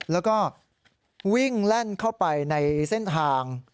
แล้วก็วิ่งแล่นเข้าไปในเส้นทาง